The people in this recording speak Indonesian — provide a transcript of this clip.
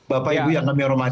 bapak ibu yang namanya ormati